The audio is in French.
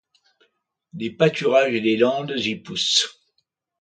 Des pâturages et des landes y poussent.